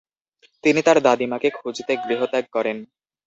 তিনি তার দাদীমাকে খুঁজতে গৃহত্যাগ করেন।